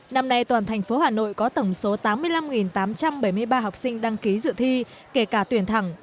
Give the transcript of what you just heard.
năm nay toàn thành phố hà nội có tổng số tám mươi năm tám trăm bảy mươi ba học sinh đăng ký dự thi kể cả tuyển thẳng